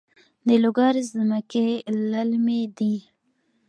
د لوګر ځمکې للمي دي